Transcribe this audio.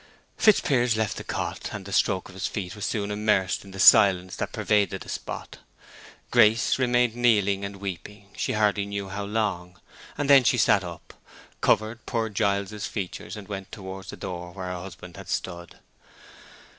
Fitzpiers left the cot, and the stroke of his feet was soon immersed in the silence that pervaded the spot. Grace remained kneeling and weeping, she hardly knew how long, and then she sat up, covered poor Giles's features, and went towards the door where her husband had stood.